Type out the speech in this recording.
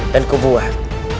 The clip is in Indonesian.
dan ku buat